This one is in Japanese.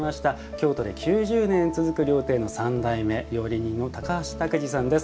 京都で９０年続く料亭の３代目料理人の高橋拓児さんです。